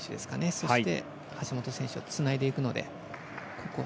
そして橋本選手とつないでいくので。